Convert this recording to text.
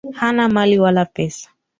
Hana mali wala pesa.